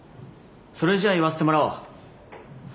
それじゃあ言わせてもらおう。